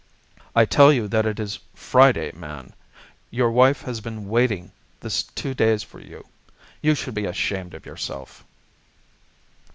"I tell you that it is Friday, man. Your wife has been waiting this two days for you. You should be ashamed of yourself!"